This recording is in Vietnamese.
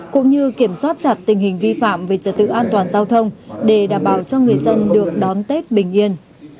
cũng như kiểm soát chặt tình hình vi phạm về trật tự an toàn giao thông để đảm bảo cho người dân được đón tết bình yên